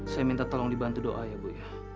saya minta tolong dibantu doa ya bu